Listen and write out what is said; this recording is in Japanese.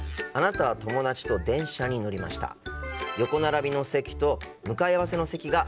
あなたは友達と電車に乗りました。